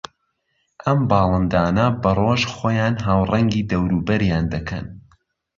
ئەم باڵندانە بە ڕۆژ خۆیان ھاوڕەنگی دەوروبەریان دەکەن